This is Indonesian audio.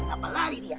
apa lari dia